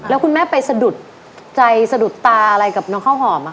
แล้วคุณแม่ไปสะดุดใจสะดุดตาอะไรกับน้องข้าวหอม